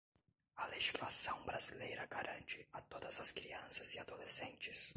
A legislação brasileira garante, a todas as crianças e adolescentes